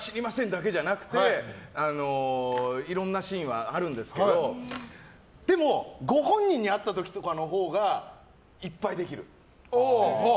だけじゃなくていろんなシーンはあるんですけどでも、ご本人に会った時のほうがいっぱいできる。